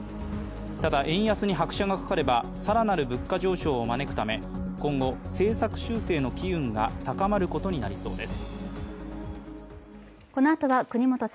ただ、円安に拍車がかかれば更なる物価上昇を招くため、今後、政策修正の機運が高まることになりそうです。